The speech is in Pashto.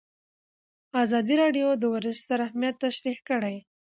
ازادي راډیو د ورزش ستر اهميت تشریح کړی.